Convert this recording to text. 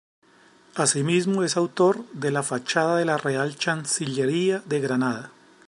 Asimismo es autor de la fachada de la Real Chancillería de Granada.